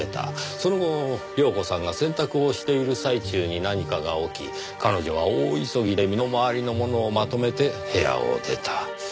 その後亮子さんが洗濯をしている最中に何かが起き彼女は大急ぎで身の回りのものをまとめて部屋を出た。